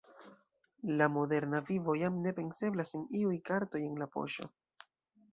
La moderna vivo jam ne penseblas sen iuj kartoj en la poŝo.